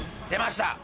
出ました！